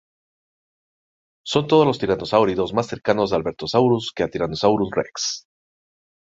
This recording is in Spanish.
Son todos los tiranosáuridos más cercanos a "Albertosaurus" que a "Tyrannosaurus rex".